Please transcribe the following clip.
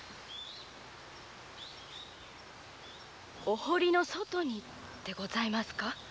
お堀の外にでございますか？